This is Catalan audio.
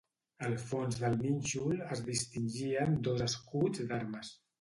Al fons del nínxol es distingien dos escuts d'armes.